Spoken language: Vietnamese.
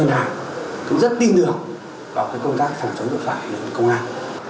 cũng rất tin được vào công tác phản chống lừa đảo của công an